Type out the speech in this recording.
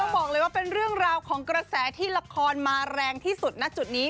บอกเลยว่าเป็นเรื่องราวของกระแสที่ละครมาแรงที่สุดณจุดนี้